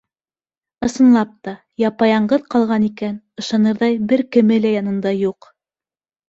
Ысынлап та, япа-яңғыҙ ҡалған икән, ышанырҙай бер кеме лә янында юҡ.